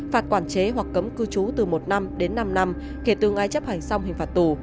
phạt quản chế hoặc cấm cư trú từ một năm đến năm năm kể từ ngày chấp hành xong hình phạt tù